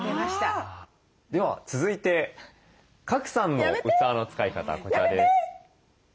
では続いて賀来さんの器の使い方こちらです。